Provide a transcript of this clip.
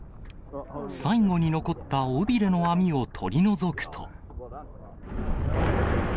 最後に残った尾びれの網を取り除くと。